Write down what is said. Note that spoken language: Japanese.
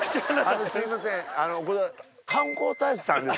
すいません。